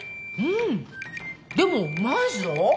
でもうまいぞ！